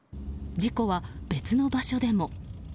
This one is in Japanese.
事故は、別の場所でも。